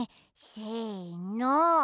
せの。